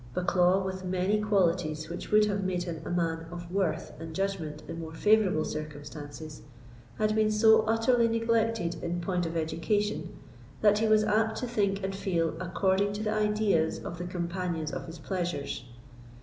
Bucklaw, with many qualities which would have made him a man of worth and judgment in more favourable circumstances, had been so utterly neglected in point of education, that he was apt to think and feel according to the ideas of the companions of his pleasures.